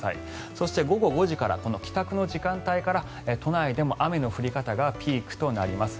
そして午後５時から帰宅の時間帯から都内でも雨の降り方がピークとなります。